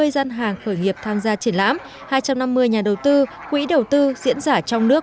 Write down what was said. hai trăm năm mươi gian hàng khởi nghiệp tham gia triển lãm hai trăm năm mươi nhà đầu tư quỹ đầu tư diễn giả trong nước